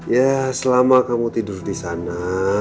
ya selama kamu tidur di sana